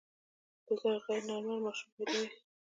د دغه غیر نارمل ماشوم پیدایښت.